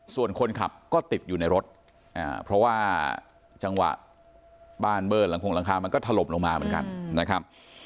ส่วนคนขับก็ติดอยู่ในรถเพราะว่าจังหวะบ้านเบิ้ลหลังคงหลังคามันก็ถล่มลงมาเหมือนกันนะครับ